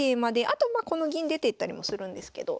あとまあこの銀出ていったりもするんですけど。